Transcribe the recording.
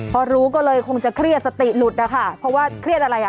พอรู้ก็เลยคงจะเครียดสติหลุดนะคะเพราะว่าเครียดอะไรอ่ะ